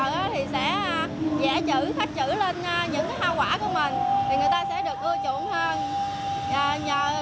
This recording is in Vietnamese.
nhưng mà dẻ chữ khắc chữ lên những hoa quả của mình thì người ta sẽ được ưa chuộng hơn